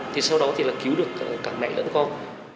thì sau đó thì là cứu được cả mẹ lẫn con